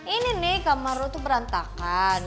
ini nih kamar lo tuh berantakan